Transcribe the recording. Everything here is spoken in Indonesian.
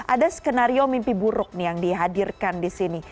ada skenario mimpi buruk nih yang dihadirkan disini